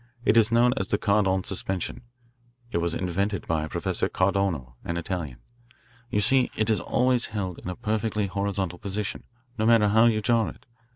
It is known as the Cardon suspension. It was invented by Professor Cardono, an Italian. You see, it is always held in a perfectly horizontal position, no matter how you jar it.